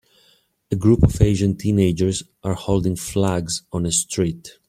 A group of Asian teenagers are holding flags on a street.